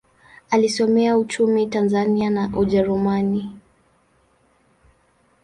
Alisomea uchumi Tanzania na Ujerumani.